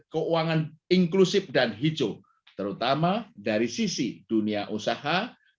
keuangan inklusif dan hijau terutama dari sisi dunia usaha